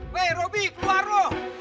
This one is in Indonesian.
weh robi keluar lo